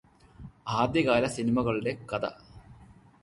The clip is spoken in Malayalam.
ആദ്യ കാല സിനിമകളുടെ കഥ